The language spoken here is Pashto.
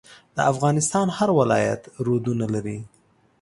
د افغانستان هر ولایت رودونه لري.